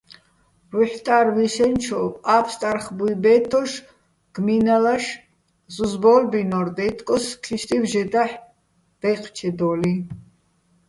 ვუჰ̦ტა́რ ვიშენჩოვ, ა́ფსტარხ ბუჲ ბე́თთოშ, გმინალაშ ზუზ ბო́ლბინო́რ დაჲთკოს ქისტივ ჟე დაჰ̦ დაჲჴჩედო́ლიჼ.